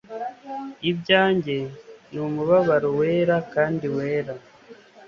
Ibyanjye ni umubabaro wera kandi wera